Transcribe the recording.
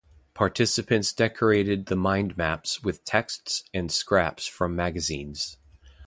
Participants decorated the mindmaps with texts and scraps from magazines.